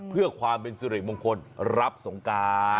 เพื่อความเป็นสิริมงคลรับสงการ